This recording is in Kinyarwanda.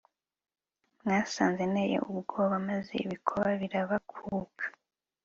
mwasanze nteye ubwoba, maze ibikoba birabakuka